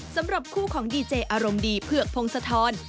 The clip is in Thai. สำหรับคู่ของดีเจอารมณ์ดีเผือกพงศธร